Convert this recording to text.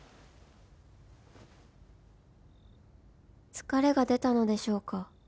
［疲れが出たのでしょうか？